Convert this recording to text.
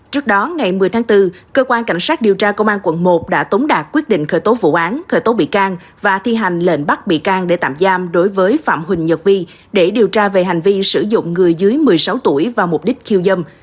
trước đó ngày một mươi tháng bốn cơ quan cảnh sát điều tra công an quận một đã tống đạt quyết định khởi tố vụ án khởi tố bị can và thi hành lệnh bắt bị can để tạm giam đối với phạm huỳnh nhật vi để điều tra về hành vi sử dụng người dưới một mươi sáu tuổi vào mục đích khiêu dâm